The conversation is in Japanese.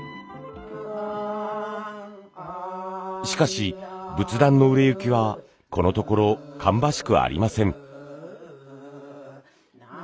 しかし仏壇の売れ行きはこのところ芳しくありません。